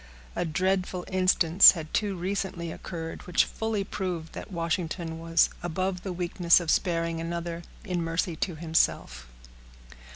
A dreadful instance had too recently occurred, which fully proved that Washington was above the weakness of sparing another in mercy to himself.